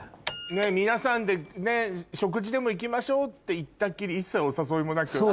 皆さんで食事でも行きましょうって言ったっきり一切お誘いもなく。